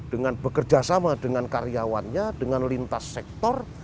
dengan bekerja sama dengan karyawannya dengan lintas sektor